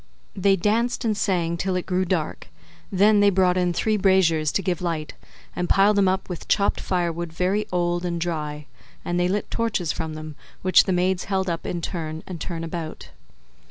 They danced and sang till it grew dark; they then brought in three braziers151 to give light, and piled them up with chopped firewood very old and dry, and they lit torches from them, which the maids held up turn and turn about.